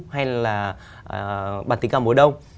hay là bản tình cảm mùa đông